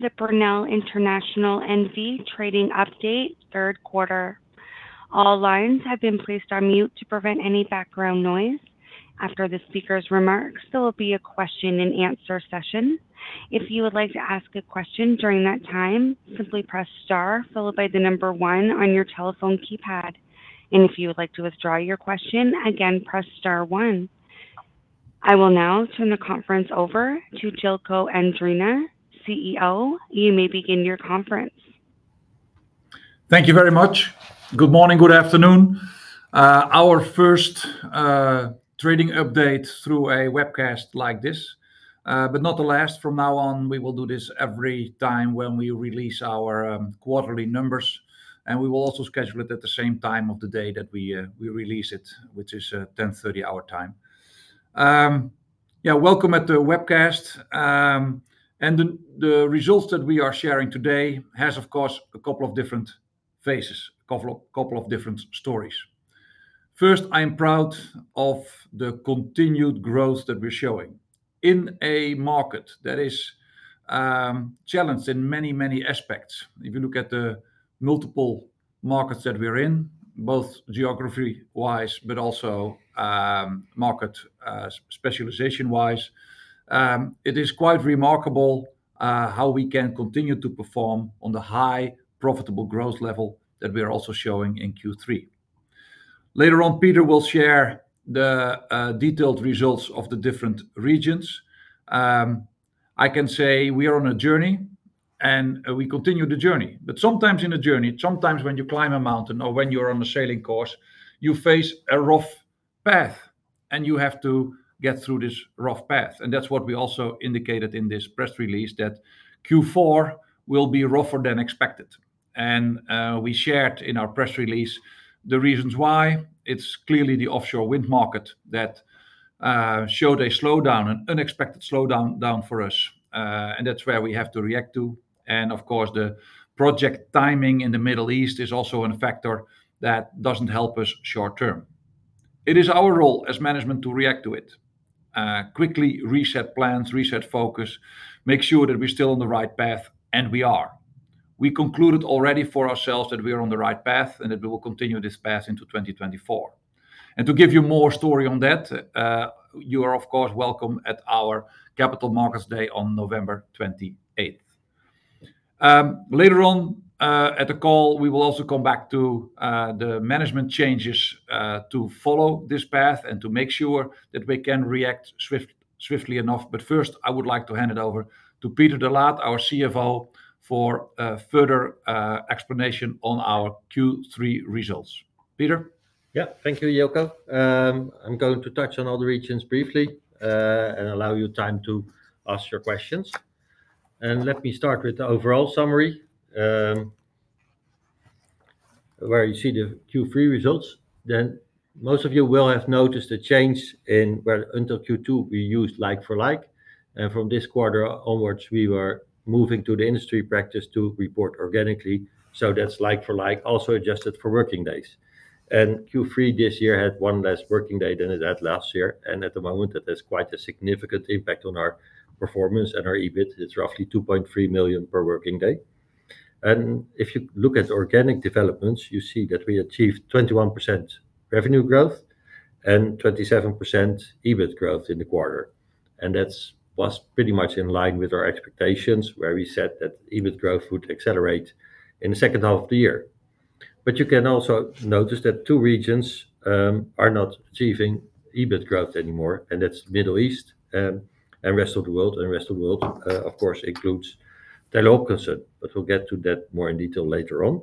The Brunel International N.V. trading update, third quarter. All lines have been placed on mute to prevent any background noise. After the speaker's remarks, there will be a question and answer session. If you would like to ask a question during that time, simply press star, followed by the number one on your telephone keypad. And if you would like to withdraw your question, again, press star one. I will now turn the conference over to Jilko Andringa, CEO. You may begin your conference. Thank you very much. Good morning, good afternoon. Our first trading update through a webcast like this, but not the last. From now on, we will do this every time when we release our quarterly numbers, and we will also schedule it at the same time of the day that we release it, which is 10:30 our time. Yeah, welcome at the webcast. The results that we are sharing today has, of course, a couple of different phases, a couple of different stories. First, I'm proud of the continued growth that we're showing in a market that is challenged in many aspects. If you look at the multiple markets that we're in, both geography-wise but also, market, specialization-wise, it is quite remarkable, how we can continue to perform on the high, profitable growth level that we are also showing in Q3. Later on, Peter will share the detailed results of the different regions. I can say we are on a journey, and we continue the journey, but sometimes in a journey, sometimes when you climb a mountain or when you're on a sailing course, you face a rough path, and you have to get through this rough path. And that's what we also indicated in this press release, that Q4 will be rougher than expected. And we shared in our press release the reasons why. It's clearly the offshore wind market that showed a slowdown, an unexpected slowdown down for us, and that's where we have to react to. Of course, the project timing in the Middle East is also a factor that doesn't help us short term. It is our role as management to react to it, quickly reset plans, reset focus, make sure that we're still on the right path, and we are. We concluded already for ourselves that we are on the right path and that we will continue this path into 2024. To give you more story on that, you are of course welcome at our Capital Markets Day on November 28th. Later on, at the call, we will also come back to the management changes to follow this path and to make sure that we can react swiftly enough. But first, I would like to hand it over to Peter de Laat, our CFO, for a further explanation on our Q3 results. Peter? Thank you, Jilko. I'm going to touch on all the regions briefly, and allow you time to ask your questions. Let me start with the overall summary, where you see the Q3 results. Then most of you will have noticed a change in... where until Q2, we used like for like, and from this quarter onwards, we were moving to the industry practice to report organically, so that's like for like, also adjusted for working days. Q3 this year had one less working day than it had last year, and at the moment, that has quite a significant impact on our performance and our EBIT. It's roughly 2.3 million per working day. If you look at organic developments, you see that we achieved 21% revenue growth and 27% EBIT growth in the quarter. And that's was pretty much in line with our expectations, where we said that EBIT growth would accelerate in the second half of the year. But you can also notice that two regions are not achieving EBIT growth anymore, and that's Middle East and rest of the world, and rest of the world, of course, includes Taylor Hopkinson, but we'll get to that more in detail later on.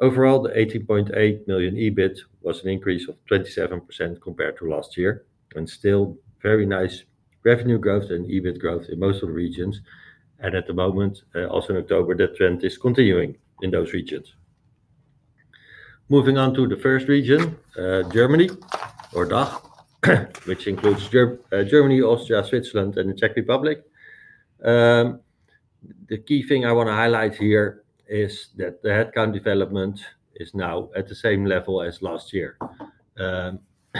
Overall, the 80.8 million EBIT was an increase of 27% compared to last year, and still very nice revenue growth and EBIT growth in most of the regions, and at the moment, also in October, the trend is continuing in those regions. Moving on to the first region, Germany or DACH, which includes Germany, Austria, Switzerland, and the Czech Republic. The key thing I wanna highlight here is that the headcount development is now at the same level as last year.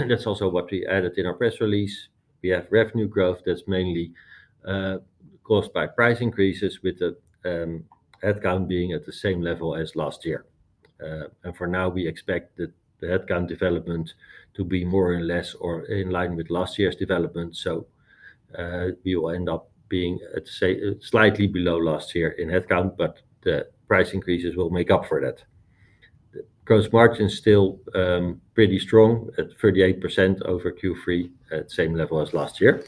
That's also what we added in our press release. We have revenue growth that's mainly caused by price increases, with the headcount being at the same level as last year. And for now, we expect the headcount development to be more or less or in line with last year's development. So, we will end up being at slightly below last year in headcount, but the price increases will make up for that. Gross margin is still pretty strong, at 38% over Q3, at same level as last year.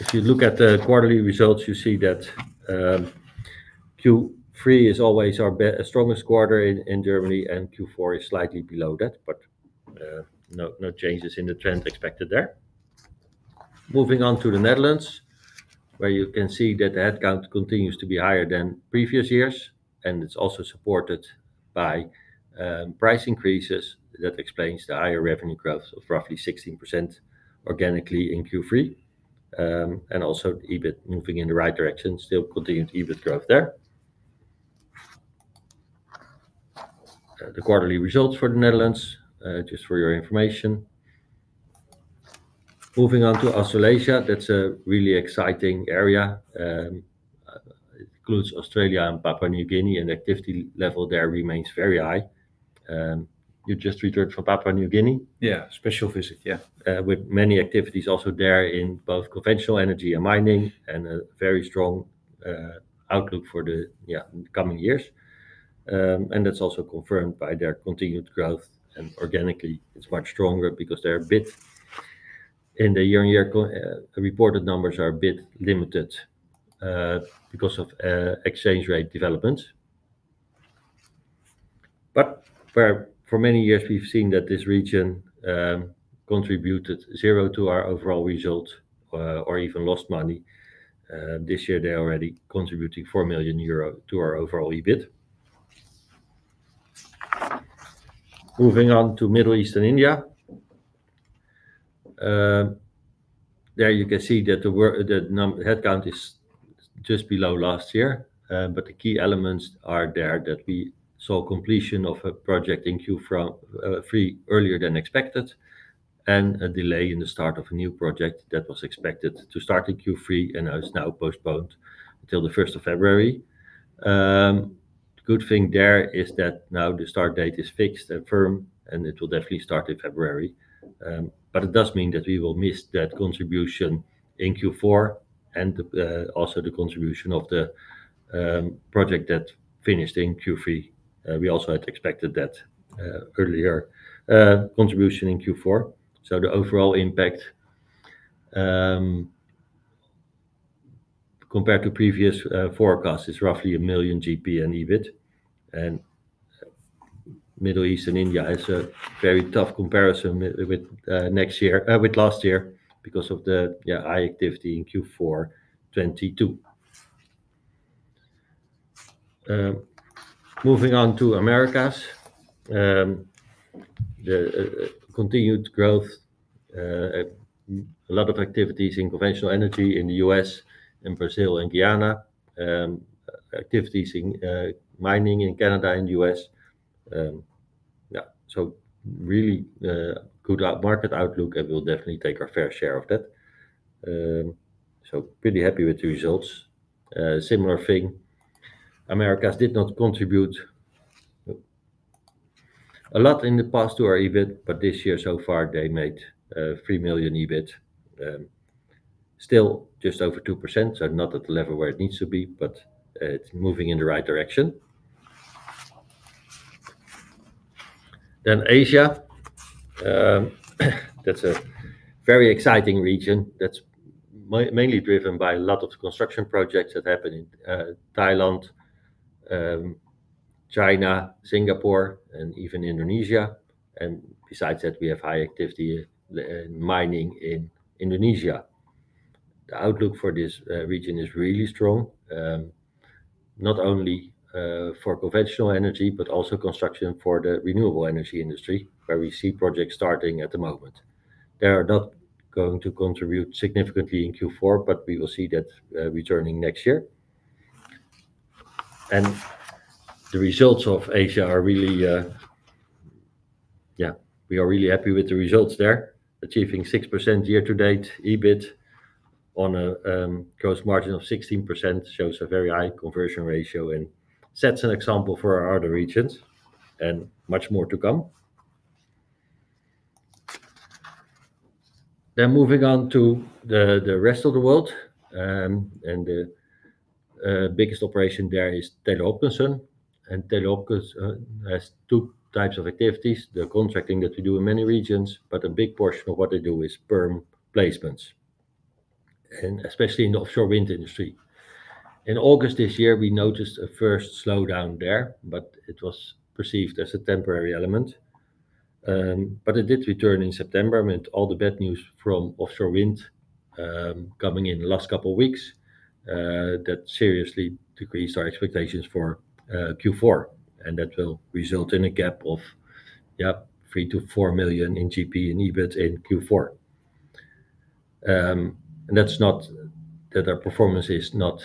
If you look at the quarterly results, you see that Q3 is always our strongest quarter in Germany, and Q4 is slightly below that, but no changes in the trend expected there. Moving on to the Netherlands, where you can see that the headcount continues to be higher than previous years, and it's also supported by price increases. That explains the higher revenue growth of roughly 16% organically in Q3. And also EBIT moving in the right direction, still continued EBIT growth there. The quarterly results for the Netherlands just for your information. Moving on to Australasia, that's a really exciting area. It includes Australia and Papua New Guinea, and activity level there remains very high. You just returned from Papua New Guinea? Yeah, special visit, yeah. With many activities also there in both conventional energy and mining, and a very strong outlook for the, yeah, coming years. And that's also confirmed by their continued growth, and organically it's much stronger because they're a bit in the year-on-year, the reported numbers are a bit limited because of exchange rate developments. But for many years, we've seen that this region contributed zero to our overall result, or even lost money. This year they're already contributing 4 million euro to our overall EBIT. Moving on to Middle East and India. There you can see that the headcount is just below last year. But the key elements are there, that we saw completion of a project in Q3 earlier than expected, and a delay in the start of a new project that was expected to start in Q3 and is now postponed until the first of February. Good thing there is that now the start date is fixed and firm, and it will definitely start in February. But it does mean that we will miss that contribution in Q4 and also the contribution of the project that finished in Q3. We also had expected that earlier contribution in Q4. So the overall impact, compared to previous forecasts, is roughly 1 million GP and EBIT. Middle East and India is a very tough comparison with next year with last year because of the yeah high activity in Q4 2022. Moving on to Americas. The continued growth, a lot of activities in conventional energy in the U.S. and Brazil and Guyana. Activities in mining in Canada and U.S. Yeah, so really good market outlook, and we'll definitely take our fair share of that. So pretty happy with the results. Similar thing, Americas did not contribute a lot in the past to our EBIT, but this year so far, they made 3 million EBIT. Still just over 2%, so not at the level where it needs to be, but it's moving in the right direction. Then Asia, that's a very exciting region that's mainly driven by a lot of the construction projects that happen in Thailand, China, Singapore, and even Indonesia. And besides that, we have high activity in mining in Indonesia. The outlook for this region is really strong, not only for conventional energy, but also construction for the renewable energy industry, where we see projects starting at the moment. They are not going to contribute significantly in Q4, but we will see that returning next year. And the results of Asia are really. Yeah, we are really happy with the results there. Achieving 6% year-to-date EBIT on a gross margin of 16% shows a very high conversion ratio and sets an example for our other regions, and much more to come. Then moving on to the rest of the world, and the biggest operation there is Taylor Hopkinson. And Taylor Hopkinson has two types of activities, the contracting that we do in many regions, but a big portion of what they do is perm placements, and especially in the offshore wind industry. In August this year, we noticed a first slowdown there, but it was perceived as a temporary element. But it did return in September, meant all the bad news from offshore wind coming in the last couple of weeks, that seriously decreased our expectations for Q4, and that will result in a gap of, yeah, 3-4 million in GP and EBIT in Q4. And that's not that our performance is not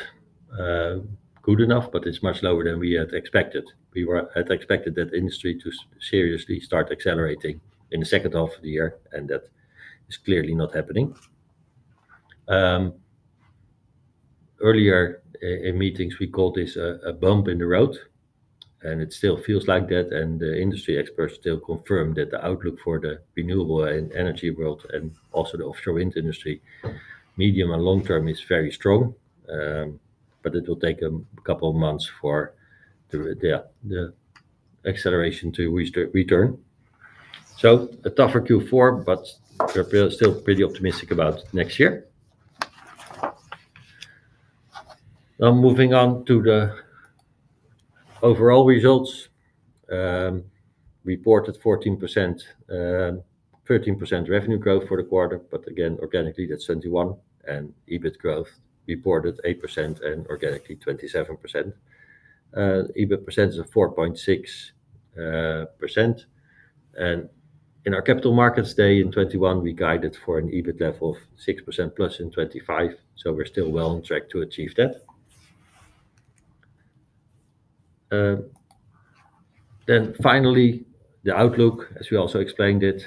good enough, but it's much lower than we had expected. We had expected that industry to seriously start accelerating in the second half of the year, and that is clearly not happening. Earlier in meetings, we called this a bump in the road, and it still feels like that, and the industry experts still confirm that the outlook for the renewable and energy world and also the offshore wind industry, medium and long term, is very strong. But it will take a couple of months for the acceleration to return. So a tougher Q4, but we're still pretty optimistic about next year. Now, moving on to the overall results. We reported 14%, 13% revenue growth for the quarter, but again, organically, that's 21, and EBIT growth reported 8% and organically 27%. EBIT percentage of 4.6%. In our Capital Markets Day in 2021, we guided for an EBIT level of 6%+ in 2025, so we're still well on track to achieve that. Then finally, the outlook, as we also explained it,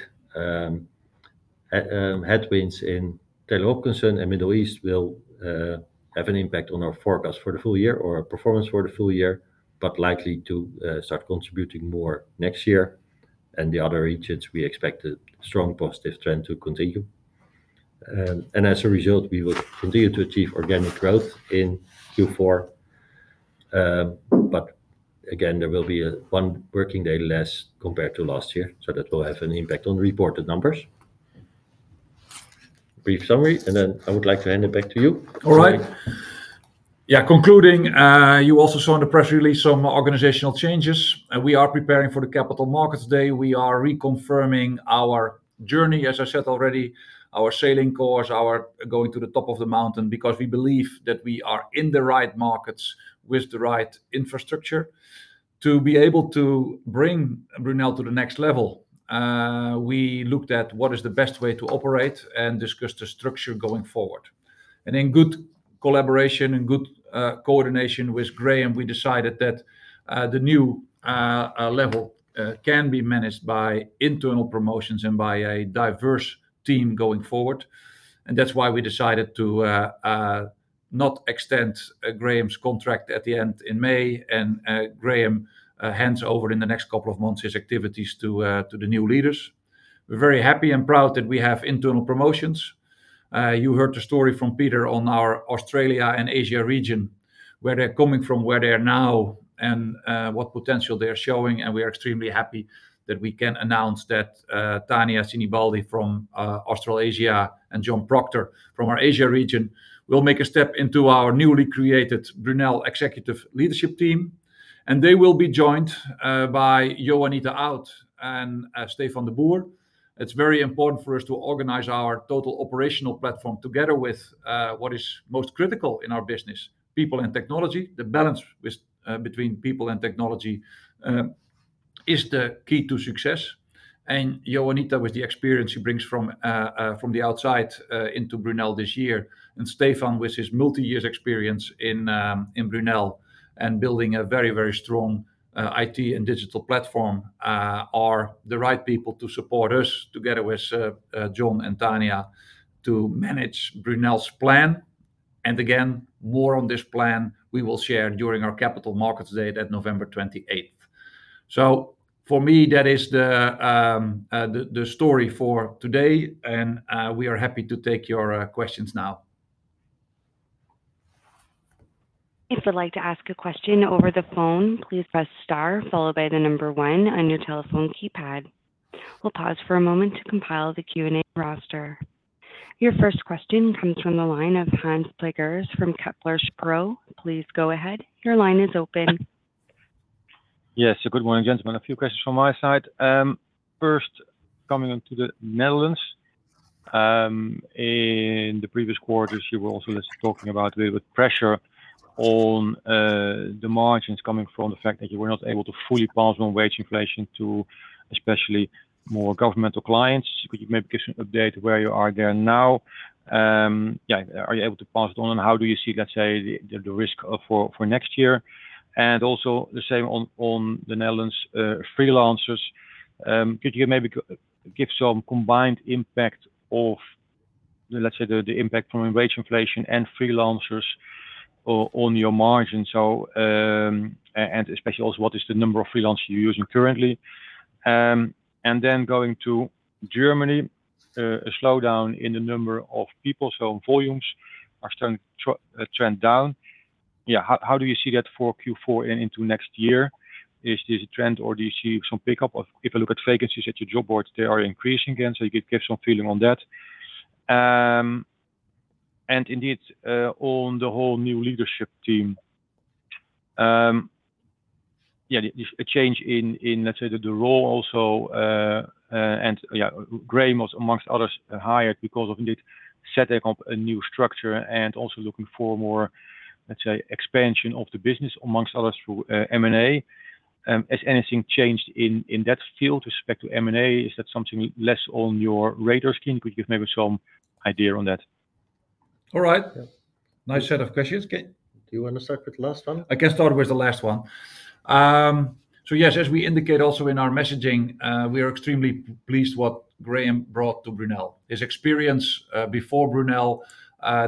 headwinds in Taylor Hopkinson and Middle East will have an impact on our forecast for the full year or our performance for the full year, but likely to start contributing more next year. The other regions, we expect a strong positive trend to continue. As a result, we will continue to achieve organic growth in Q4. But again, there will be one working day less compared to last year, so that will have an impact on the reported numbers. Brief summary, and then I would like to hand it back to you. All right. Yeah, concluding, you also saw in the press release some organizational changes, and we are preparing for the Capital Markets Day. We are reconfirming our journey, as I said already, our sailing course, our going to the top of the mountain, because we believe that we are in the right markets with the right infrastructure. To be able to bring Brunel to the next level, we looked at what is the best way to operate and discuss the structure going forward. In good collaboration and good coordination with Graeme, we decided that the new level can be managed by internal promotions and by a diverse team going forward. And that's why we decided to not extend Graeme's contract at the end in May, and Graeme hands over in the next couple of months his activities to the new leaders. We're very happy and proud that we have internal promotions. You heard the story from Peter on our Australia and Asia region, where they're coming from, where they are now, and what potential they are showing, and we are extremely happy that we can announce that Tania Sinibaldi from Australasia and Jon Proctor from our Asia region will make a step into our newly created Brunel Executive Leadership Team. And they will be joined by Joanita Oud and Stefan de Boer. It's very important for us to organize our total operational platform together with what is most critical in our business, people and technology. The balance between people and technology is the key to success. Joanita, with the experience she brings from the outside into Brunel this year, and Stefan, with his multi-years experience in Brunel and building a very, very strong IT and digital platform, are the right people to support us, together with Jon and Tania, to manage Brunel's plan. Again, more on this plan we will share during our Capital Markets Day at November 28th. So for me, that is the story for today, and we are happy to take your questions now. If you'd like to ask a question over the phone, please press star followed by the number one on your telephone keypad. We'll pause for a moment to compile the Q&A roster. Your first question comes from the line of Hans Pluijgers from Kepler Cheuvreux. Please go ahead. Your line is open. Yes, good morning, gentlemen. A few questions from my side. First, coming on to the Netherlands, in the previous quarter, you were also just talking about the pressure on the margins coming from the fact that you were not able to fully pass on wage inflation to especially more governmental clients. Could you maybe give us an update where you are there now? Yeah, are you able to pass it on, and how do you see the risk for next year? And also the same on the Netherlands freelancers. Could you maybe give some combined impact of, let's say, the impact from wage inflation and freelancers on your margin? And especially also, what is the number of freelancers you're using currently? And then going to Germany, a slowdown in the number of people, so volumes are starting to trend down. Yeah, how do you see that for Q4 and into next year? Is this a trend, or do you see some pickup? If you look at vacancies at your job boards, they are increasing again, so you could give some feeling on that. And indeed, on the whole new leadership team, yeah, a change in, let's say, the role also, and yeah, Graeme was amongst others, hired because of indeed setting up a new structure and also looking for more, let's say, expansion of the business, amongst others, through M&A. Has anything changed in that field with respect to M&A? Is that something less on your radar screen? Could you give maybe some idea on that? All right. Nice set of questions. Do you want to start with the last one? I can start with the last one. So yes, as we indicate also in our messaging, we are extremely pleased what Graeme brought to Brunel. His experience, before Brunel,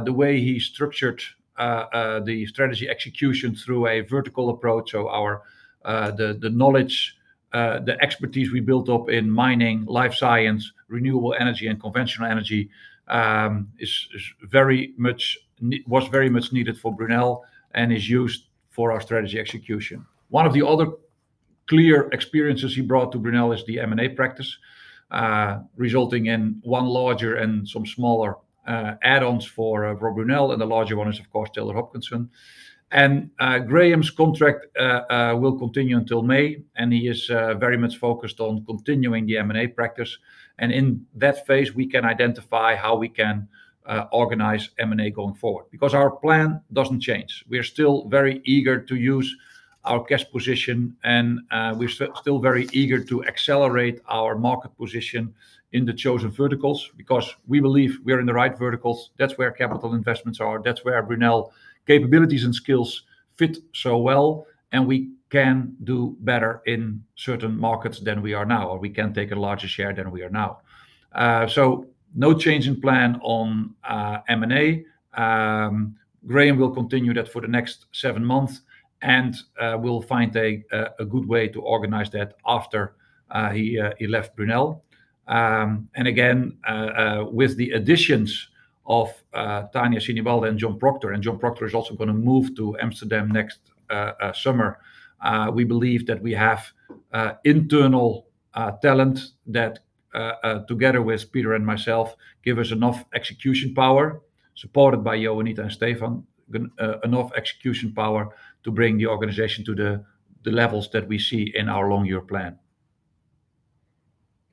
the way he structured, the strategy execution through a vertical approach, so our, the knowledge, the expertise we built up in mining, life science, renewable energy, and conventional energy, was very much needed for Brunel and is used for our strategy execution. One of the clear experiences he brought to Brunel is the M&A practice, resulting in one larger and some smaller, add-ons for, for Brunel, and the larger one is, of course, Taylor Hopkinson. Graeme's contract will continue until May, and he is very much focused on continuing the M&A practice, and in that phase, we can identify how we can organize M&A going forward. Because our plan doesn't change. We are still very eager to use our cash position, and we're still very eager to accelerate our market position in the chosen verticals, because we believe we are in the right verticals. That's where capital investments are. That's where Brunel capabilities and skills fit so well, and we can do better in certain markets than we are now, or we can take a larger share than we are now. So no change in plan on M&A. Graeme will continue that for the next seven months, and we'll find a good way to organize that after he left Brunel. And again, with the additions of Tania Sinibaldi and Jon Proctor, and Jon Proctor is also gonna move to Amsterdam next summer, we believe that we have internal talent that together with Peter and myself give us enough execution power, supported by Joanita and Stefan, enough execution power to bring the organization to the levels that we see in our long-term plan.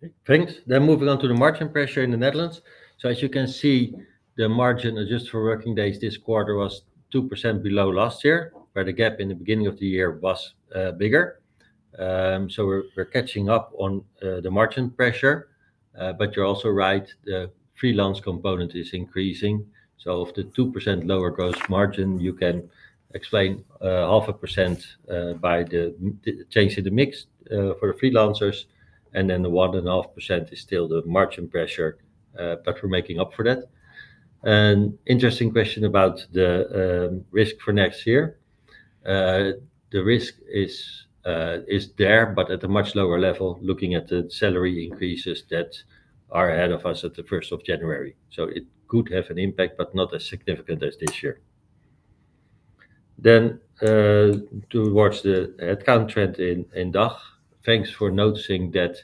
Okay, thanks. Then moving on to the margin pressure in the Netherlands. So as you can see, the margin adjusted for working days this quarter was 2% below last year, where the gap in the beginning of the year was bigger. So we're catching up on the margin pressure, but you're also right, the freelance component is increasing, so of the 2% lower gross margin, you can explain 0.5% by the change in the mix for the freelancers, and then the 1.5% is still the margin pressure, but we're making up for that. An interesting question about the risk for next year. The risk is there, but at a much lower level, looking at the salary increases that are ahead of us at the first of January. So it could have an impact, but not as significant as this year. Then, towards the head count trend in, in DACH, thanks for noticing that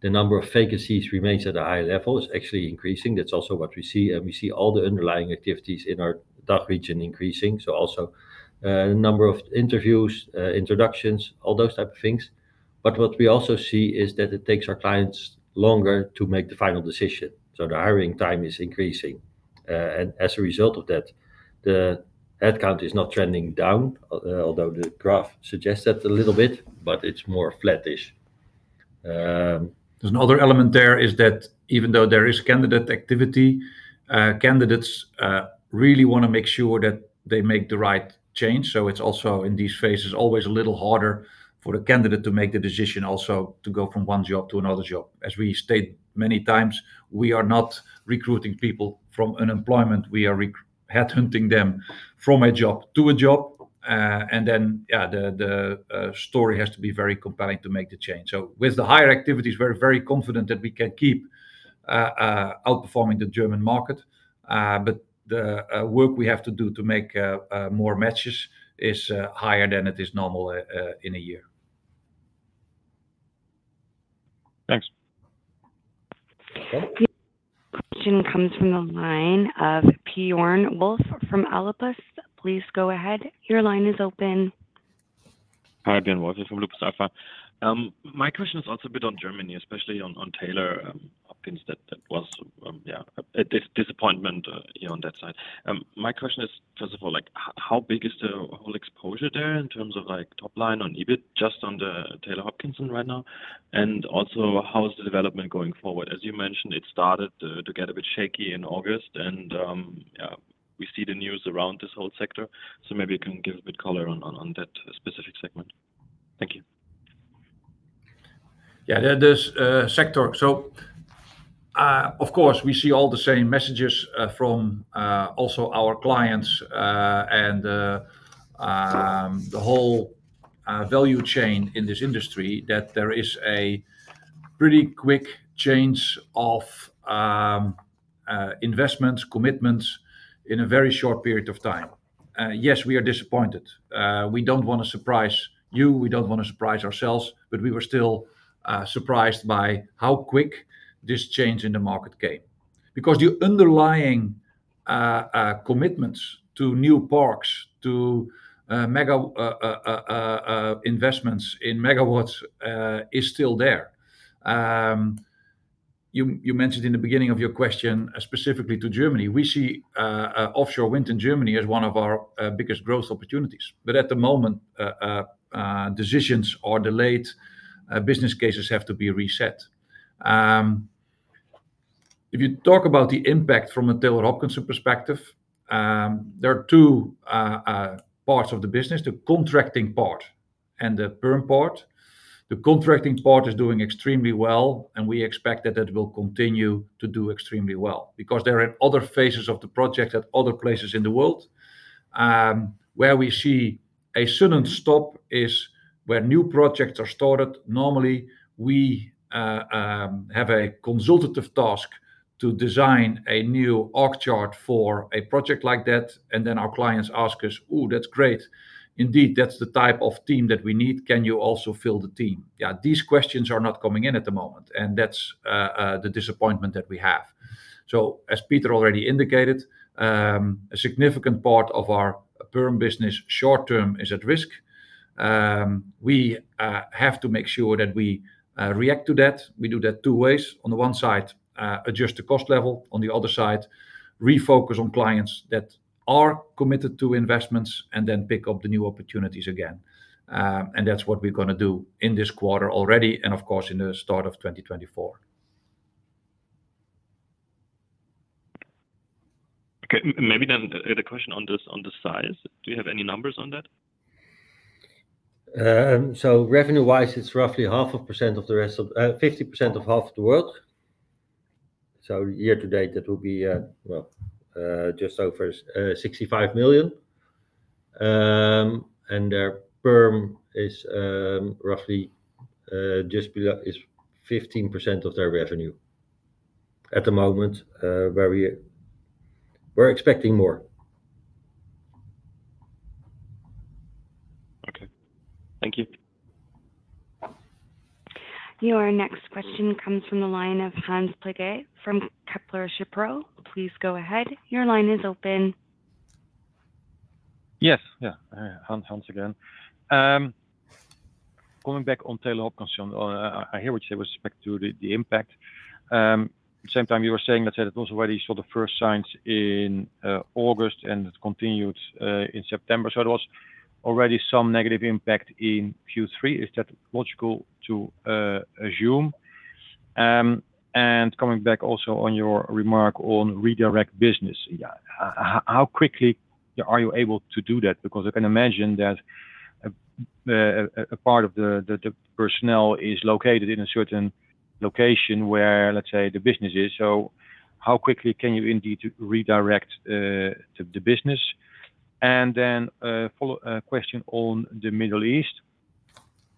the number of vacancies remains at a high level. It's actually increasing. That's also what we see, and we see all the underlying activities in our DACH region increasing, so also, number of interviews, introductions, all those type of things. But what we also see is that it takes our clients longer to make the final decision, so the hiring time is increasing. And as a result of that, the head count is not trending down, although the graph suggests that a little bit, but it's more flattish. There's another element there, is that even though there is candidate activity, candidates really wanna make sure that they make the right change. So it's also, in these phases, always a little harder for the candidate to make the decision also to go from one job to another job. As we stated many times, we are not recruiting people from unemployment. We are headhunting them from a job to a job, and then, yeah, the story has to be very compelling to make the change. So with the higher activities, we're very confident that we can keep outperforming the German market, but the work we have to do to make more matches is higher than it is normal in a year. Thanks. Okay. The question comes from the line of Björn Wolf from Alpha Lupus. Please go ahead. Your line is open. Hi, Björn Wolf from Lupus alpha, my question is also a bit on Germany, especially on Taylor Hopkinson, that that was, yeah, a disappointment, you know, on that side. My question is, first of all, like, how big is the whole exposure there in terms of, like, top line on EBIT, just on the Taylor Hopkinson right now? And also, how is the development going forward? As you mentioned, it started to get a bit shaky in August, and, yeah, we see the news around this whole sector. So maybe you can give a bit color on that specific segment. Thank you. Yeah, that is sector. So, of course, we see all the same messages from also our clients and the whole value chain in this industry, that there is a pretty quick change of investments, commitments in a very short period of time. Yes, we are disappointed. We don't wanna surprise you, we don't wanna surprise ourselves, but we were still surprised by how quick this change in the market came. Because the underlying commitments to new parks, to mega investments in megawatts is still there. You mentioned in the beginning of your question, specifically to Germany, we see offshore wind in Germany as one of our biggest growth opportunities. But at the moment, decisions are delayed, business cases have to be reset. If you talk about the impact from a Taylor Hopkinson perspective, there are two parts of the business, the contracting part and the perm part. The contracting part is doing extremely well, and we expect that that will continue to do extremely well, because they're in other phases of the project at other places in the world. Where we see a sudden stop is where new projects are started, normally we have a consultative task to design a new org chart for a project like that, and then our clients ask us, "Ooh, that's great. Indeed, that's the type of team that we need. Can you also fill the team?" Yeah, these questions are not coming in at the moment, and that's the disappointment that we have. So as Peter already indicated, a significant part of our perm business short term is at risk. We have to make sure that we react to that. We do that two ways, on the one side, adjust the cost level, on the other side, refocus on clients that are committed to investments and then pick up the new opportunities again. And that's what we're gonna do in this quarter already, and of course, in the start of 2024. Okay, maybe then the question on the, on the size, do you have any numbers on that? So revenue-wise, it's roughly 0.5% of the rest of, 50% of half the world. So year-to-date, that will be just over EUR 65 million. And their perm is roughly just below... is 15% of their revenue at the moment, where we, we're expecting more. Okay. Thank you. Your next question comes from the line of Hans Pluijgers from Kepler Cheuvreux. Please go ahead. Your line is open. Yes. Yeah, Hans, Hans again. Going back on Taylor Hopkinson, I hear what you say with respect to the impact. At the same time, you were saying, let's say it was already saw the first signs in August, and it continued in September. So it was already some negative impact in Q3. Is that logical to assume? And coming back also on your remark on redirect business, yeah, how, how quickly are you able to do that? Because I can imagine that a part of the personnel is located in a certain location where, let's say, the business is. So how quickly can you indeed redirect the business? And then follow question on the Middle East.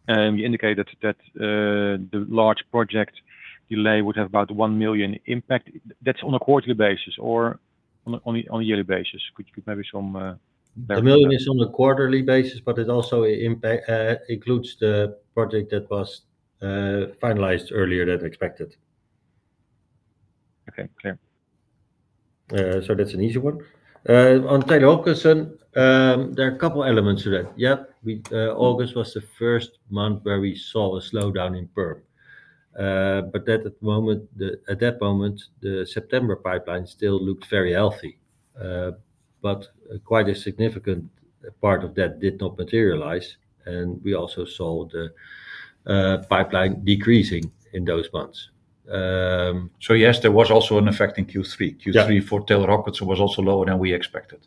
You indicated that the large project delay would have about 1 million impact. That's on a quarterly basis or on a yearly basis? Could you give maybe some better- 1 million is on a quarterly basis, but it also impact includes the project that was finalized earlier than expected. Okay, clear. So that's an easy one. On Taylor Hopkinson, there are a couple elements to that. Yeah, we, August was the first month where we saw a slowdown in perm. But at that moment, the September pipeline still looked very healthy. But quite a significant part of that did not materialize, and we also saw the pipeline decreasing in those months. So yes, there was also an effect in Q3. Yeah. Q3 for Taylor Hopkinson was also lower than we expected.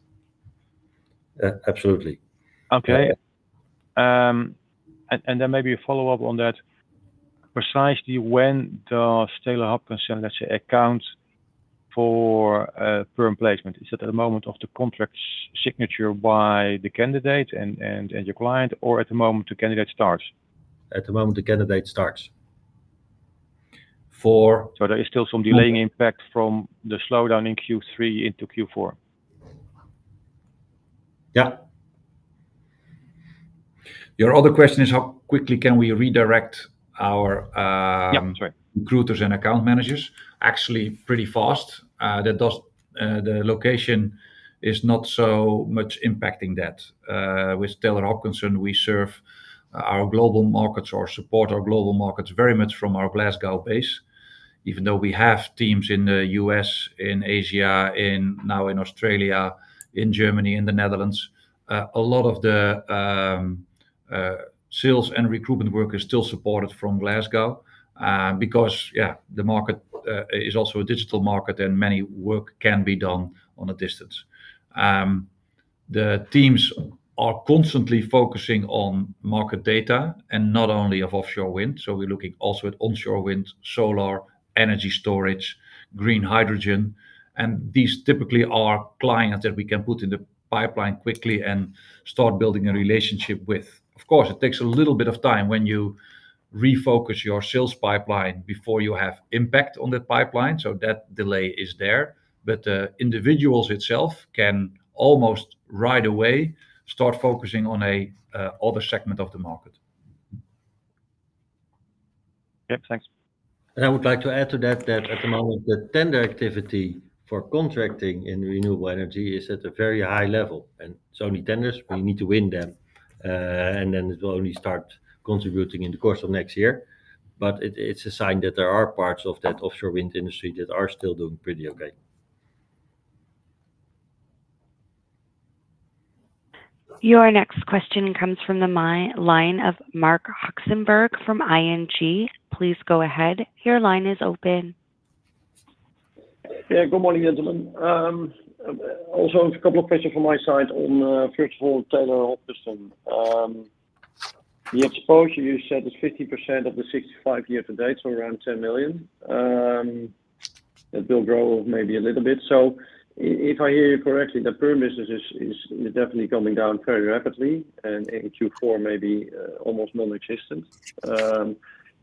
Uh, absolutely. Okay. And then maybe a follow-up on that. Precisely when does Taylor Hopkinson, let's say, account for perm placement? Is it at the moment of the contract signature by the candidate and your client, or at the moment the candidate starts? At the moment the candidate starts. There is still some delaying impact from the slowdown in Q3 into Q4? Yeah. Your other question is, how quickly can we redirect our, Yeah, that's right.... recruiters and account managers? Actually, pretty fast. That does, the location is not so much impacting that. With Taylor Hopkinson, we serve our global markets or support our global markets very much from our Glasgow base. Even though we have teams in the U.S., in Asia, in, now in Australia, in Germany, in the Netherlands, a lot of the, sales and recruitment work is still supported from Glasgow. Because, yeah, the market, is also a digital market, and many work can be done on a distance. The teams are constantly focusing on market data and not only of offshore wind. So we're looking also at onshore wind, solar, energy storage, green hydrogen, and these typically are clients that we can put in the pipeline quickly and start building a relationship with. Of course, it takes a little bit of time when you refocus your sales pipeline before you have impact on that pipeline, so that delay is there. But the individuals itself can almost right away start focusing on a, other segment of the market. Yep, thanks. And I would like to add to that, that at the moment, the tender activity for contracting in renewable energy is at a very high level, and it's only tenders; we need to win them. And then it will only start contributing in the course of next year. But it's a sign that there are parts of that offshore wind industry that are still doing pretty okay. Your next question comes from the line of Marc Hesselink from ING. Please go ahead. Your line is open. Yeah, good morning, gentlemen. Also a couple of questions from my side on, first of all, Taylor Hopkinson. The exposure you said is 50% of the 65 year-to-date, so around 10 million. That will grow maybe a little bit. So if I hear you correctly, the perm business is definitely coming down very rapidly, and in Q4, maybe almost non-existent.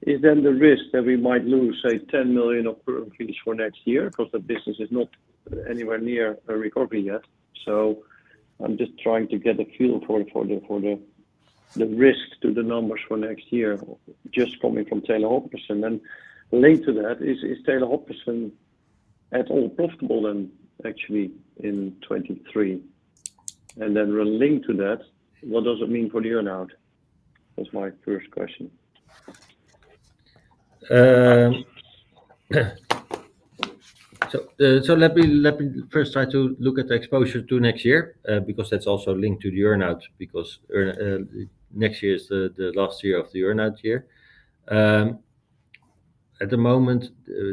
Is then the risk that we might lose, say, 10 million of perm fees for next year, because the business is not anywhere near a recovery yet? So I'm just trying to get a feel for the risk to the numbers for next year, just coming from Taylor Hopkinson. And then related to that, is Taylor Hopkinson at all profitable then, actually, in 2023? And then related to that, what does it mean for the earn-out? That's my first question. So let me first try to look at the exposure to next year, because that's also linked to the earn-out, because next year is the last year of the earn-out year. At the moment,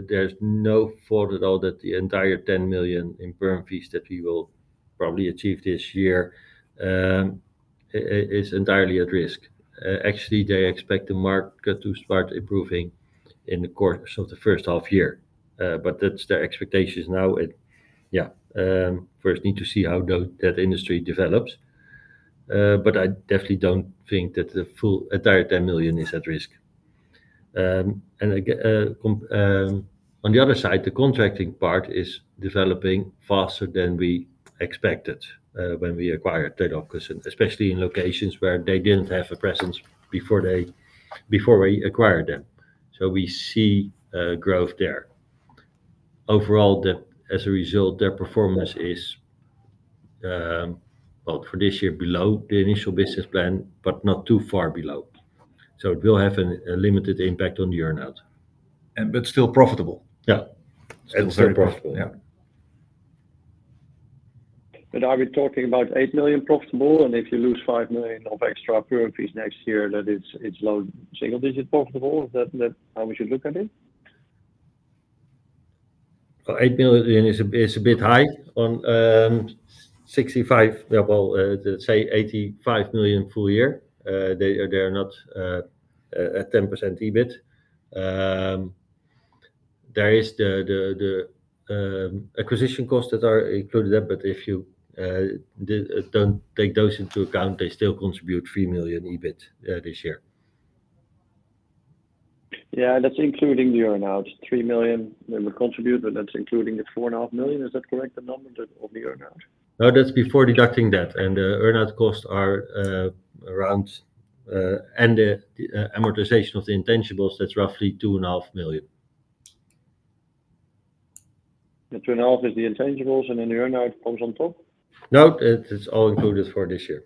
there's no thought at all that the entire 10 million in perm fees that we will probably achieve this year is entirely at risk. Actually, they expect the market to start improving in the course of the first half year. But that's their expectations now, and yeah. First need to see how that industry develops. But I definitely don't think that the full entire 10 million is at risk. And on the other side, the contracting part is developing faster than we expected, when we acquired Taylor Hopkinson, especially in locations where they didn't have a presence before we acquired them. So we see growth there. Overall, as a result, their performance is, well, for this year, below the initial business plan, but not too far below. So it will have a limited impact on the earn-out. But still profitable? Yeah. Still very profitable. Yeah. But are we talking about 8 million profitable, and if you lose 5 million of extra perm fees next year, that it's low single digit profitable? Is that how we should look at it? Well, 8 million is a bit high on 65, yeah, well, say 85 million full year. They are not at 10% EBIT. There is the acquisition costs that are included there, but if you don't take those into account, they still contribute 3 million EBIT this year. Yeah, that's including the earn-out. 3 million they would contribute, but that's including the 4.5 million. Is that correct, the number, that of the earn-out? No, that's before deducting that, and the earn-out costs are around. And the amortization of the intangibles, that's roughly 2.5 million. The 2.5 is the intangibles, and then the earn-out comes on top? No, it's all included for this year.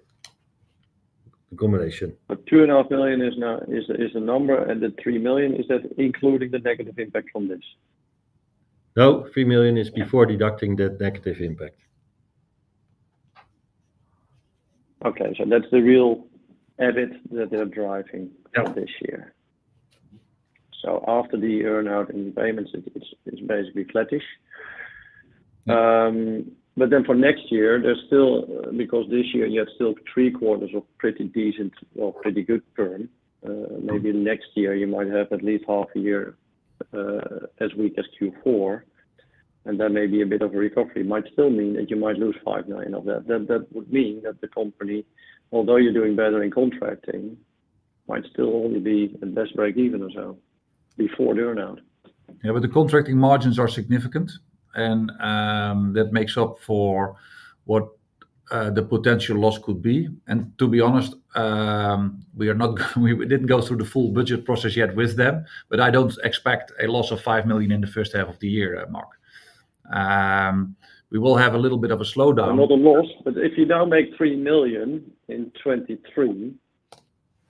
The combination. But 2.5 million is now, is the, is the number, and the 3 million, is that including the negative impact from this? No, 3 million is before deducting the negative impact. Okay. So that's the real EBIT that they're driving- Yeah... this year. So after the earn-out and payments, it's basically flattish. Mm-hmm. But then for next year, there's still, because this year you have still three quarters of pretty decent or pretty good perm. Mm-hmm. Maybe next year you might have at least half a year, as weak as Q4, and there may be a bit of a recovery. Might still mean that you might lose 5 million of that. That would mean that the company, although you're doing better in contracting, might still only be at best breakeven or so before the earn-out. Yeah, but the contracting margins are significant, and that makes up for what the potential loss could be. And to be honest, we didn't go through the full budget process yet with them, but I don't expect a loss of 5 million in the first half of the year, Mark. We will have a little bit of a slowdown- Another loss, but if you now make 3 million in 2023,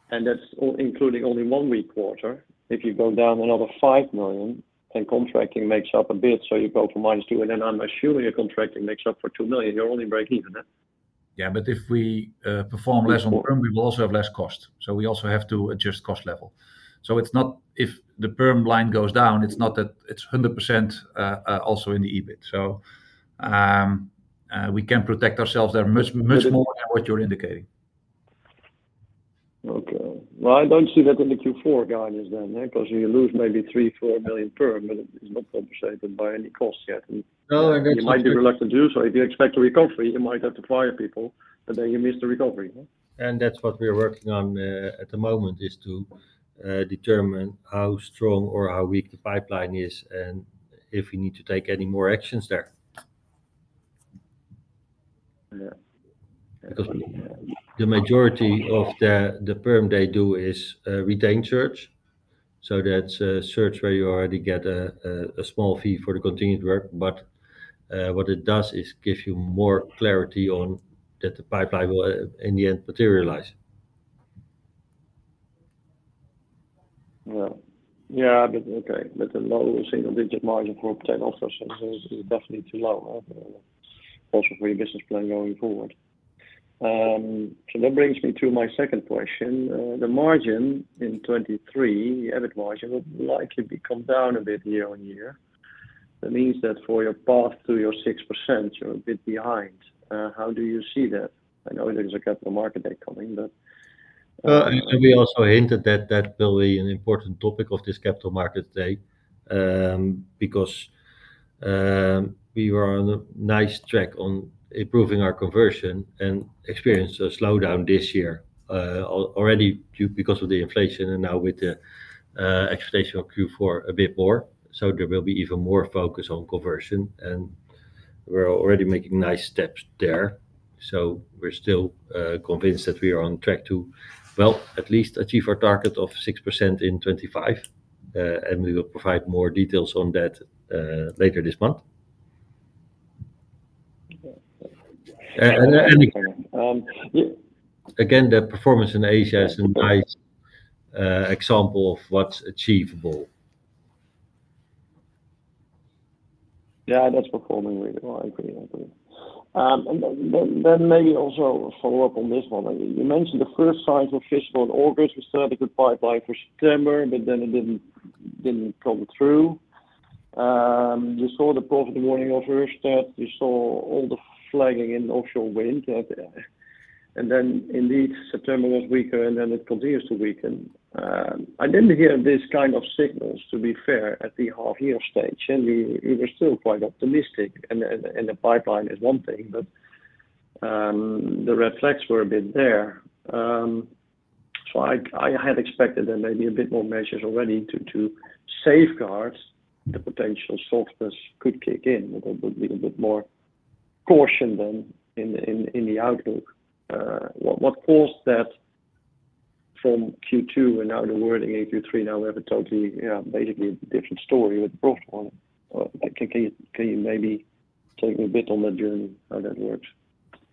and that's all including only one weak quarter, if you go down another 5 million, and contracting makes up a bit, so you go to -2 million, and then I'm assuming your contracting makes up for 2 million, you're only breaking even, huh? Yeah, but if we perform less on perm, we will also have less cost. So we also have to adjust cost level. So it's not if the perm line goes down, it's not that it's 100% also in the EBIT. So we can protect ourselves there much, much more than what you're indicating. Okay. Well, I don't see that in the Q4 guidance then, 'cause you lose maybe 3-4 million perm, but it's not compensated by any costs yet, and- No, I think so- You might be reluctant to do so. If you expect a recovery, you might have to fire people, and then you miss the recovery, huh? That's what we are working on at the moment: to determine how strong or how weak the pipeline is and if we need to take any more actions there. Yeah. Because the majority of the perm they do is retained search. So that's a search where you already get a small fee for the continued work, but what it does is gives you more clarity on that the pipeline will in the end materialize. Well, yeah, but okay, but a low single-digit margin for Taylor Hopkinson is, is definitely too low, also for your business plan going forward. So that brings me to my second question. The margin in 2023, the EBIT margin, will likely come down a bit year-on-year. That means that for your path to your 6%, you're a bit behind. How do you see that? I know there's a Capital Markets Day coming, but-... And we also hinted that that will be an important topic of this Capital Markets Day, because we were on a nice track on improving our conversion and experienced a slowdown this year, already due because of the inflation and now with the expectation of Q4 a bit more. So there will be even more focus on conversion, and we're already making nice steps there. So we're still convinced that we are on track to, well, at least achieve our target of 6% in 2025. And we will provide more details on that later this month. And again, the performance in Asia is a nice example of what's achievable. Yeah, that's performing really well. I agree. I agree. And then maybe also a follow-up on this one. You mentioned the first signs of this in August. We started a good pipeline for September, but then it didn't come through. We saw the profit warning of Ørsted. We saw all the flagging in offshore wind, and then indeed, September was weaker, and then it continues to weaken. I didn't hear this kind of signals, to be fair, at the half-year stage, and we were still quite optimistic, and the pipeline is one thing, but the red flags were a bit there. So I had expected there maybe a bit more measures already to safeguard the potential softness could kick in with a little bit more caution than in the outlook. What caused that from Q2 and now the wording in Q3, now we have a totally, yeah, basically different story with profit on? Can you maybe take me a bit on that journey, how that works?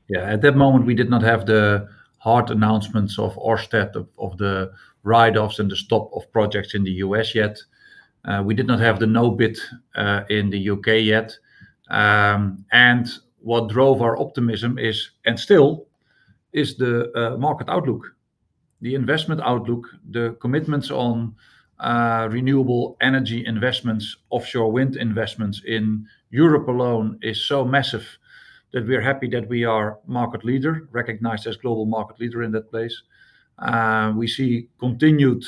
Yeah. At that moment, we did not have the hard announcements of Ørsted, of, of the write-offs and the stop of projects in the U.S. yet. We did not have the no bid in the U.K. yet. And what drove our optimism is, and still, is the market outlook, the investment outlook, the commitments on renewable energy investments. Offshore wind investments in Europe alone is so massive that we are happy that we are market leader, recognized as global market leader in that place. We see continued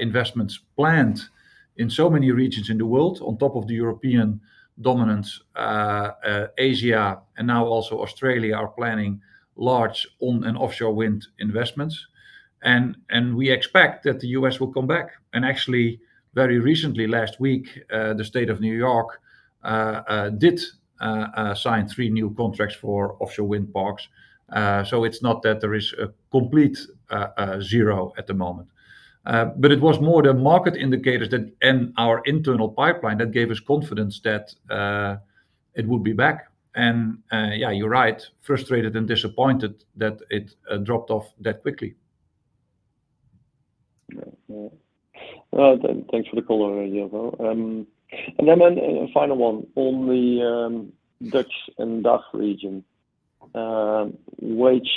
investments planned in so many regions in the world on top of the European dominance, Asia, and now also Australia are planning large on and offshore wind investments, and we expect that the U.S. will come back. And actually, very recently, last week, the state of New York did sign three new contracts for offshore wind parks. So it's not that there is a complete zero at the moment, but it was more the market indicators that, and our internal pipeline, that gave us confidence that it would be back. And, yeah, you're right, frustrated and disappointed that it dropped off that quickly. Yeah. Well, then, thanks for the color, Jilko. And then a final one. On the Dutch and DACH region, wage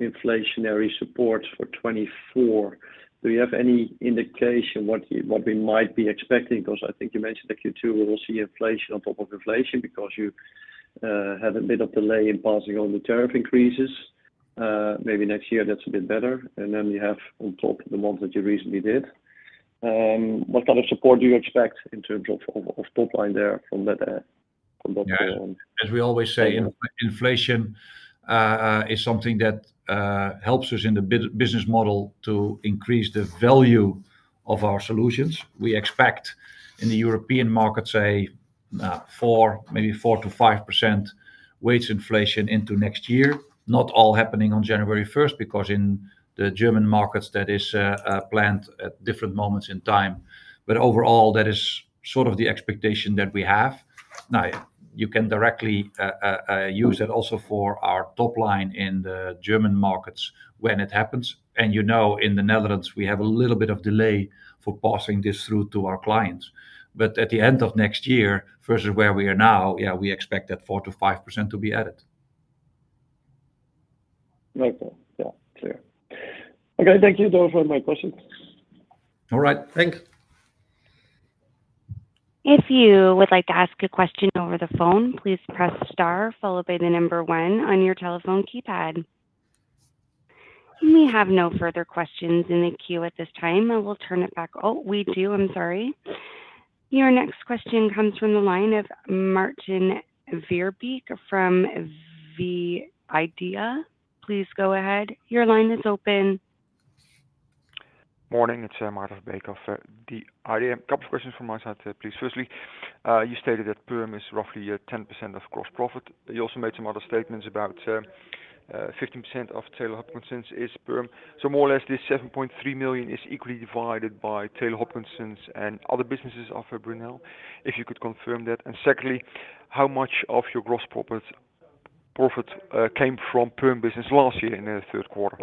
inflationary support for 2024, do you have any indication what you-- what we might be expecting? Because I think you mentioned that Q2, we will see inflation on top of inflation because you have a bit of delay in passing on the tariff increases. Maybe next year that's a bit better, and then we have on top of the ones that you recently did. What kind of support do you expect in terms of top line there from that from that point on? As we always say, inflation is something that helps us in the business model to increase the value of our solutions. We expect in the European market, say, four, maybe 4%-5% wage inflation into next year. Not all happening on January first, because in the German markets, that is planned at different moments in time. But overall, that is sort of the expectation that we have. Now, you can directly use that also for our top line in the German markets when it happens. And, you know, in the Netherlands, we have a little bit of delay for passing this through to our clients, but at the end of next year versus where we are now, yeah, we expect that 4%-5% to be added. Right. Yeah, clear. Okay, thank you, all for my questions. All right, thanks. If you would like to ask a question over the phone, please press star followed by the number one on your telephone keypad. We have no further questions in the queue at this time, and we'll turn it back... Oh, we do. I'm sorry. Your next question comes from the line of Maarten Verbeek from The Idea. Please go ahead. Your line is open. Morning, it's Maarten Verbeek of The Idea. A couple of questions from my side, please. Firstly, you stated that perm is roughly 10% of gross profit. You also made some other statements about 15% of Taylor Hopkinson is perm. So more or less, this 7.3 million is equally divided by Taylor Hopkinson and other businesses of Brunel, if you could confirm that. And secondly, how much of your gross profit, profit, came from perm business last year in the third quarter?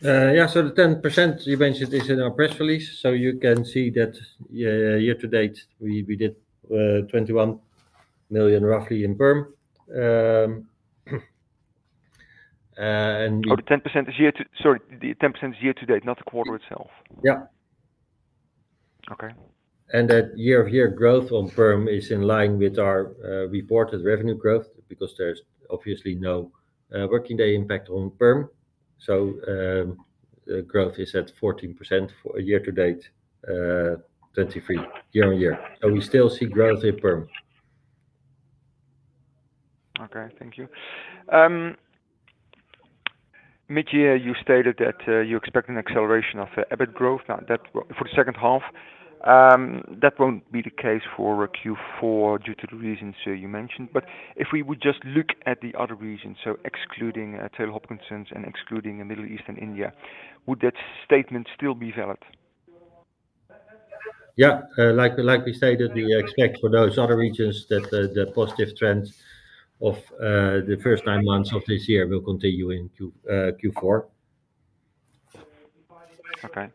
Yeah, so the 10% you mentioned is in our press release, so you can see that, yeah, year-to-date, we, we did, roughly, 21 million in perm. And- Oh, the 10% is year to... Sorry, the 10% is year-to-date, not the quarter itself? Yeah.... Okay. And that year-over-year growth on perm is in line with our reported revenue growth, because there's obviously no working day impact on perm. So the growth is at 14% for year-to-date, 2023 year-on-year. So we still see growth in perm. Okay, thank you. Mid-year you stated that, you expect an acceleration of the EBIT growth, now, that-- for the second half. That won't be the case for Q4 due to the reasons you mentioned, but if we would just look at the other regions, so excluding, Taylor Hopkinson and excluding the Middle East and India, would that statement still be valid? Yeah. Like, like we stated, we expect for those other regions that the positive trends of the first nine months of this year will continue in Q4. Okay.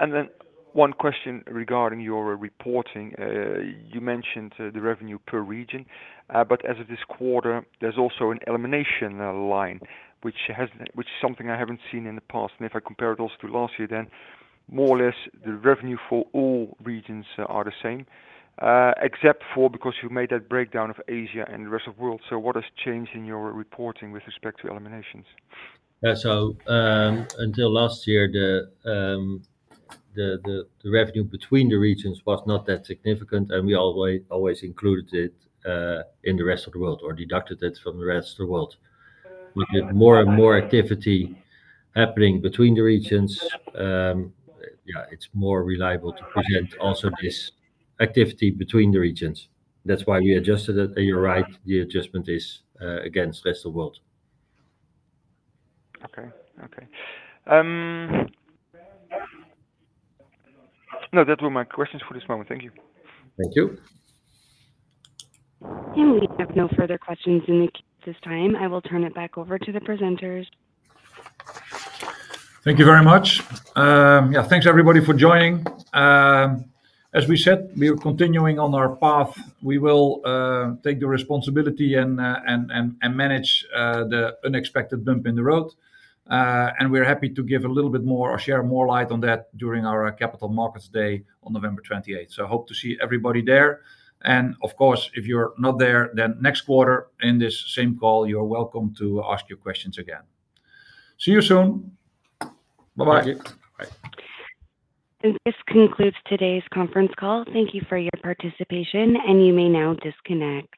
And then one question regarding your reporting. You mentioned the revenue per region, but as of this quarter, there's also an elimination line, which is something I haven't seen in the past, and if I compare it also to last year, then more or less, the revenue for all regions are the same, except for because you made that breakdown of Asia and the rest of world. So what has changed in your reporting with respect to eliminations? Yeah. So, until last year, the revenue between the regions was not that significant, and we always included it in the rest of the world or deducted it from the rest of the world. With more and more activity happening between the regions, yeah, it's more reliable to present also this activity between the regions. That's why we adjusted it, and you're right, the adjustment is against rest of world. Okay. Okay. No, that were my questions for this moment. Thank you. Thank you. We have no further questions in the queue at this time. I will turn it back over to the presenters. Thank you very much. Yeah, thanks everybody for joining. As we said, we are continuing on our path. We will take the responsibility and manage the unexpected bump in the road. We're happy to give a little bit more or share more light on that during our Capital Markets Day on November 28th. I hope to see everybody there, and of course, if you're not there, then next quarter, in this same call, you're welcome to ask your questions again. See you soon. Bye-bye. Thank you. Bye. This concludes today's conference call. Thank you for your participation, and you may now disconnect.